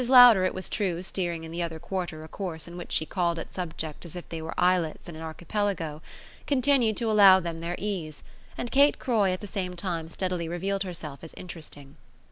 Lowder, it was true, steering in the other quarter a course in which she called at subjects as if they were islets in an archipelago, continued to allow them their ease, and Kate Croy at the same time steadily revealed herself as interesting.